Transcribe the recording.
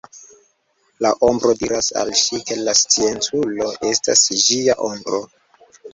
La ombro diras al ŝi ke la scienculo estas ĝia ombro.